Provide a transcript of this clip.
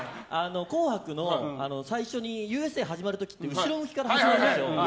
「紅白」の最初に「Ｕ．Ｓ．Ａ．」始まる時って後ろ向きから始まるんですよ。